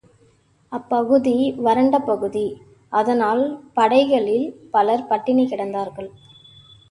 அப்பகுதி வறண்ட பகுதி, அதனால் படைகளில் பலர் பட்டினி கிடந்தார்கள்.